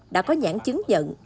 đã có nhãn chứng nhận